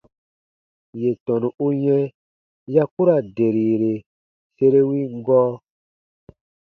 Yè tɔnu u yɛ̃ ya ku ra derire sere win gɔɔ.